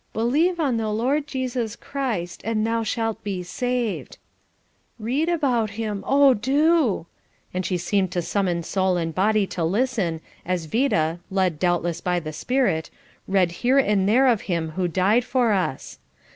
"Believe on the Lord Jesus Christ, and thou shalt be saved." "Read about Him, O do," and she seemed to summon soul and body to listen, as Vida, led doubtless by the Spirit, read here and there of Him who died for us.